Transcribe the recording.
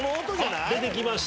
出てきました。